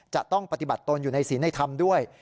จะต้องปฏิบัติตนอยู่ในศีลในธรรมด้วย